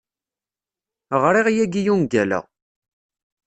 Ɣriɣ yagi ungal-a.